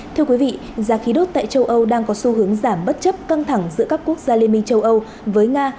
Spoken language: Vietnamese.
thưa quý vị giá khí đốt tại châu âu đang có xu hướng giảm bất chấp căng thẳng giữa các quốc gia liên minh châu âu với nga